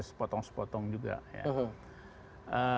sepotong sepotong juga ya